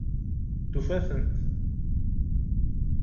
Tufa-tent?